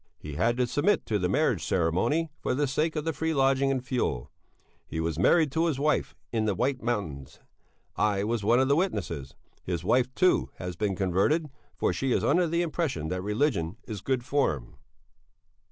He had to submit to the marriage ceremony for the sake of the free lodging and fuel. He was married to his wife in the White Mountains. I was one of the witnesses. His wife, too, has been converted, for she is under the impression that religion is good form.